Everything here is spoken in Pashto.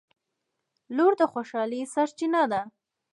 • لور د خوشحالۍ سرچینه ده.